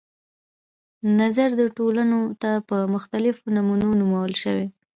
نظر د ټولنو ته په مختلفو نمونو نومول شوي.